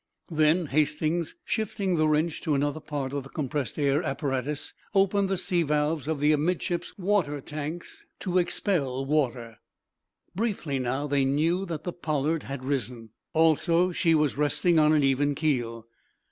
Then Hastings, shifting the wrench to another part of the compressed air apparatus, opened the sea valves of the amidships water tanks to expel water. Briefly, now, they knew that the "Pollard" had risen. Also, she was resting on an even keel.